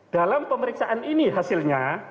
dalam pemeriksaan ini hasilnya